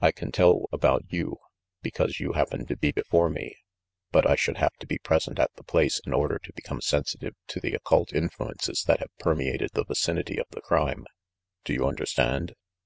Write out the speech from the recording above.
I can tell about you, because you happen to be before me ; but I should have to be pres ent at the place in order to become sensitive to the oc cult influences that have permeated the vicinity of the crime. Do you understand?"